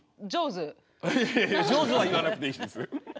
いやいやいや「上手」は言わなくていいんです。